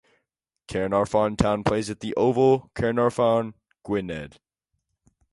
Caernarfon Town plays at The Oval, Caernarfon, Gwynedd.